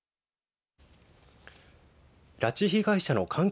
拉致被害者の関係